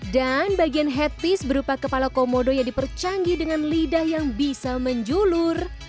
dan bagian headpiece berupa kepala komodo yang dipercanggih dengan lidah yang bisa menjulur